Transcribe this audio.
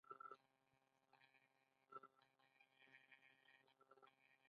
آیا زردشتیان اوس هم هلته نشته؟